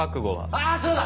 あそうだ！